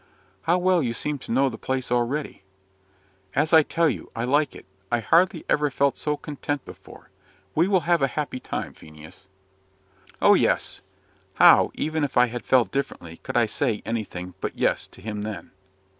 "How well you seem to know the place already." "As I tell you, I like it. I hardly ever felt so content before. We will have a happy time, Phineas." "Oh, yes!" How even if I had felt differently could I say anything but "yes" to him then?